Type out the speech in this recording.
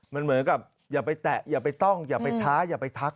มันเหมือนกับอย่าไปแตะอย่าไปต้องอย่าไปท้าอย่าไปทัก